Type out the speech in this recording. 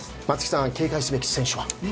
松木さん警戒すべき選手は？